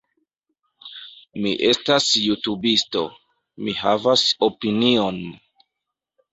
Mi estas jutubisto. Mi havas opinion.